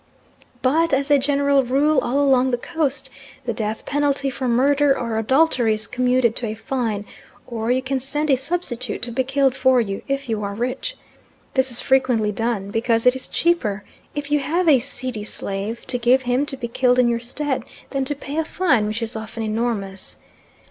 But as a general rule all along the Coast the death penalty for murder or adultery is commuted to a fine, or you can send a substitute to be killed for you, if you are rich. This is frequently done, because it is cheaper, if you have a seedy slave, to give him to be killed in your stead than to pay a fine which is often enormous.